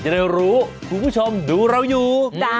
ได้รู้คุณผู้ชมดูเราอยู่